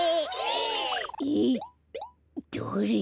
えっどれ！？